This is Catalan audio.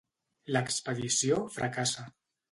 L'expedició fracassa.